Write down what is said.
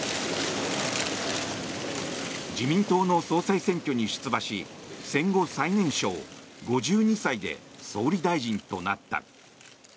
自民党の総裁選挙に出馬し戦後最年少、５２歳で総理大臣となった。